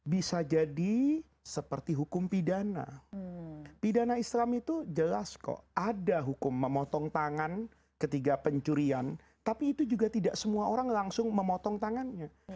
bisa jadi seperti hukum pidana pidana islam itu jelas kok ada hukum memotong tangan ketika pencurian tapi itu juga tidak semua orang langsung memotong tangannya